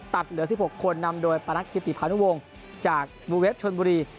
ตัดเหลือ๑๖คนนำโดยประนักศิษฐีพาณุวงศ์จากวูเวฟชนบุรี